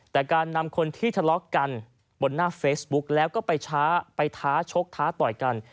แต่การนำคนที่ทะเลาะกันบนหน้าเฟซบุ๊กแล้วก็ไปช้าไปท้าชกท้าต่อยกัน